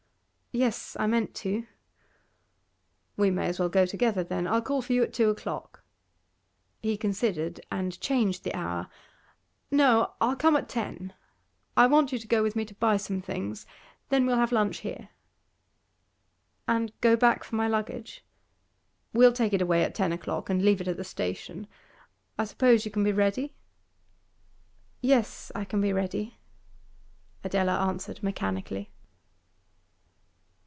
'Yes, I meant to.' 'We may as well go together, then. I'll call for you at two o'clock.' He considered, and changed the hour. 'No, I'll come at ten. I want you to go with me to buy some things. Then we'll have lunch here.' 'And go back for my luggage?' 'We'll take it away at ten o'clock and leave it at the station. I suppose you can be ready?' 'Yes, I can be ready,' Adela answered mechanically.